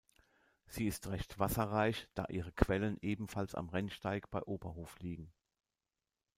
Sie ist recht wasserreich, da ihre Quellen ebenfalls am Rennsteig bei Oberhof liegen.